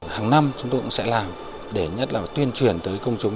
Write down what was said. hàng năm chúng tôi cũng sẽ làm để nhất là tuyên truyền tới công chúng